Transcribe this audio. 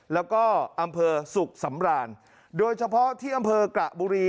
แล้วก็อำเภอสุขสำรานโดยเฉพาะที่อำเภอกระบุรี